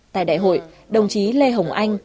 tại đại hội đồng chí lê hồng anh